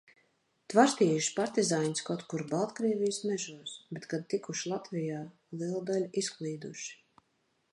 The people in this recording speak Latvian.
Tvarstījuši partizāņus, kaut kur Baltkrievijas mežos, bet, kad tikuši Latvijā, liela daļa izklīduši.